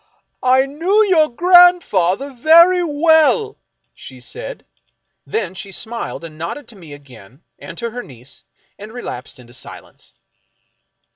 " I knew your grandfather very well," she said. Then she smiled and nodded to me again, and to her niece, and relapsed into silence.